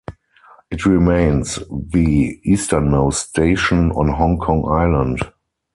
It remains the easternmost station on Hong Kong Island.